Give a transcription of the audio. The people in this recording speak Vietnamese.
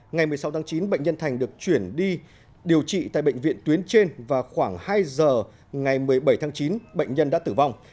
ngày một mươi sáu tháng chín bệnh nhân thành được chuyển đi điều trị tại bệnh viện tuyến trên và khoảng hai giờ ngày một mươi bảy tháng chín bệnh nhân đã tử vong